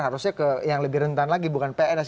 harusnya ke yang lebih rentan lagi bukan pns